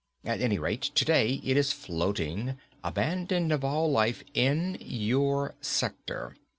At any rate, today it is floating, abandoned of all life, in your sector."